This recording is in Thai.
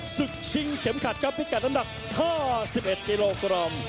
ศึกชิงเข็มขัดครับพิกัดน้ำหนัก๕๑กิโลกรัม